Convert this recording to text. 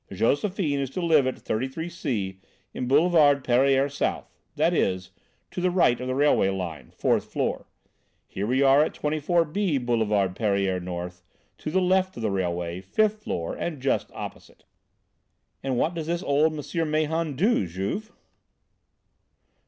Josephine is to live at 33 C in Boulevard Pereire South; that is, to the right of the railway line, fourth floor. Here we are at 24 B Boulevard Pereire North, to left of the railway, fifth floor, and just opposite." "And what does this old M. Mahon do, Juve?"